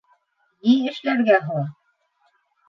Ни эшләргә һуң?